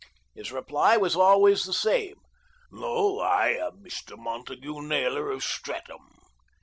His reply was always the same. "No; I am Mr. Montague Naylor of Streatham."